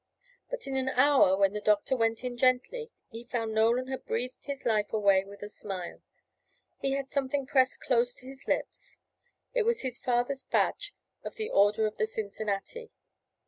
But in an hour, when the doctor went in gently, he found Nolan had breathed his life away with a smile. He had something pressed close to his lips. It was his father's badge of the Order of the Cincinnati.